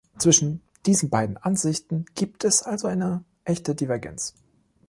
Zwischen diesen beiden Ansichten gibt es also eine echte Divergenz.